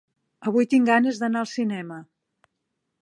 Avui tinc ganes d'anar al cinema.